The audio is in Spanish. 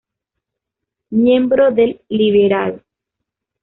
Miembro del Liberal.